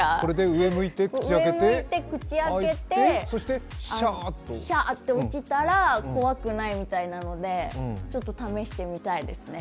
上向いて、口開けて、シャーッて落ちたら怖くないみたいなのでちょっと試してみたいですね。